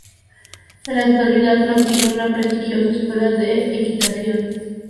En la actualidad mantiene una prestigiosa Escuela de Equitación de doma clásica.